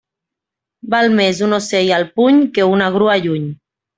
Val més un ocell al puny que una grua lluny.